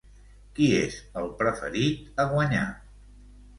Qui és el preferit a guanyar?